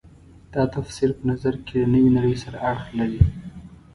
دا تفسیر په نظر کې د نوې نړۍ سره اړخ لري.